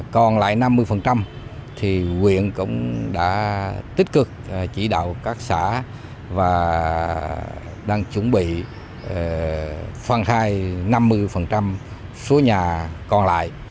còn lại năm mươi thì quyện cũng đã tích cực chỉ đạo các xã và đang chuẩn bị phân khai năm mươi số nhà còn lại